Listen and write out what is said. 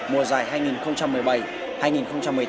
mùa giải hai nghìn một mươi bảy hai nghìn một mươi tám